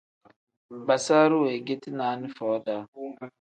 Basaru wengeti naani foo-daa.